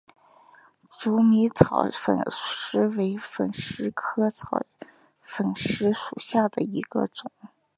求米草粉虱为粉虱科草粉虱属下的一个种。